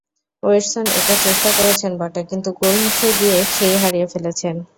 Wedson একা চেষ্টা করেছেন বটে, কিন্তু গোলমুখে গিয়ে খেই হারিয়ে ফেলেছেন।